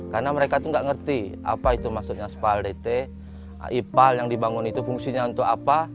karena mereka tuh gak ngerti apa itu maksudnya spal dt ipol yang dibangun itu fungsinya untuk apa